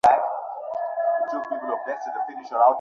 কিন্তু সারা বাড়ির তুলনায় সবচেয়ে বেশি আলোর ব্যবস্থা থাকা চাই রান্নাঘরে।